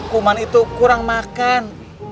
kuman itu kurang makan